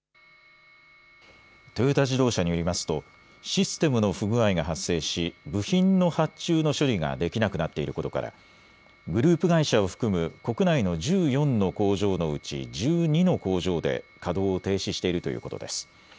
トヨタ自動車によりますとシステムの不具合が発生し部品の発注の処理ができなくなっていることからグループ会社を含む国内の１４の工場のうち１２の工場で稼働を停止しているということです。